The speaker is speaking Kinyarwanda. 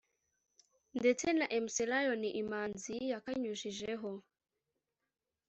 ndetse na Mc Lion Imanzi yakanyujijeho